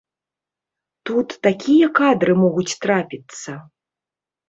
Тут такія кадры могуць трапіцца!